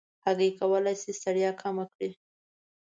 هګۍ کولی شي ستړیا کمه کړي.